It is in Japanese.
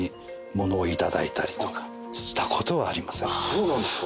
そうなんですか。